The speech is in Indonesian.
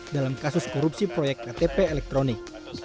dalam kasus korupsi proyek ktp elektronik